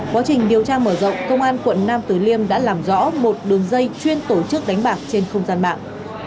quá trình điều tra mở rộng công an quận nam tử liêm đã làm rõ một đường dây chuyên tổ chức đánh bạc trên không gian mạng